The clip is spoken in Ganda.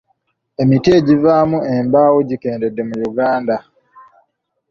Emiti egivaamu embaawo gikendedde mu Uganda.